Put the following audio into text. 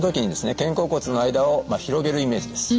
肩甲骨の間を広げるイメージです。